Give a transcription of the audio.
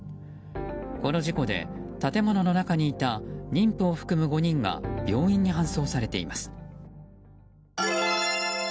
この事故で建物の中にいた妊婦を含む５人が病院に搬送されています。